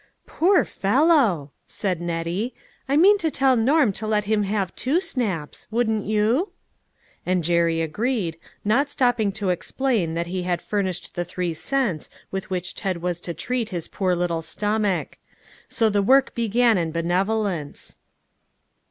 " Poor fellow !" said Nettie, " I mean to tell Norm to let him have two snaps, wouldn't you ?" And Jerry agreed, not stopping to explain that he had furnished the three cents with which Ted was to treat his poor little stomach. So the work began in benevolence.